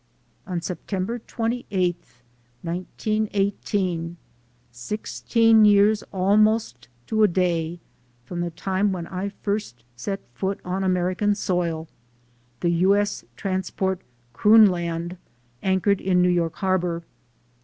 On September 28, 1918, sixteen years almost to a day, from the time when I first set foot on American soil, the U. S. Transport KroonLand an chored in New York harbor.